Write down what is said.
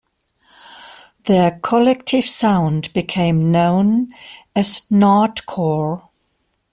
Their collective sound became known as Nardcore.